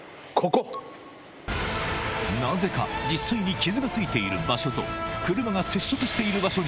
なぜか実際に傷が付いている場所と車が接触している場所に